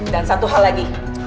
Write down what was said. dan satu hal lagi